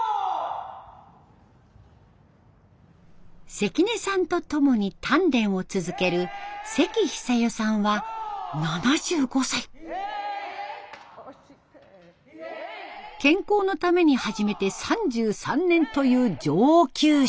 関根さんと共に鍛錬を続ける健康のために始めて３３年という上級者です。